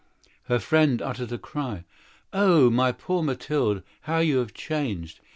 Her friend uttered a cry. "Oh, my poor Mathilde! How you are changed!"